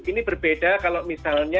ini berbeda kalau misalnya